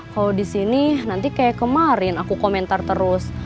kalau di sini nanti kayak kemarin aku komentar terus